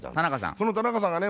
その田中さんがね